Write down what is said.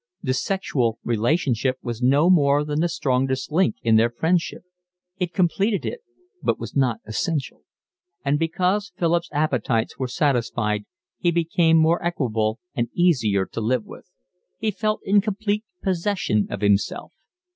The sexual relationship was no more than the strongest link in their friendship. It completed it, but was not essential. And because Philip's appetites were satisfied, he became more equable and easier to live with. He felt in complete possession of himself.